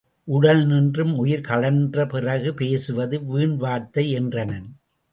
உடலினின்றும் உயிர் கழன்ற பிறகு பேசுவது வீண் வார்த்தை என்றனன்.